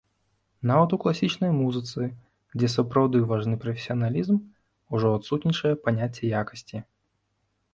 Нават у класічнай музыцы, дзе сапраўды важны прафесіяналізм, ужо адсутнічае паняцце якасці.